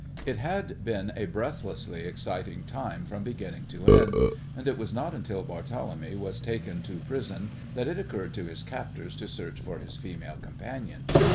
It had been a breathlessly exciting time from beginning to end, and it was not until Barthélemy was being taken to prison that it occurred to his captors to search for his female companion.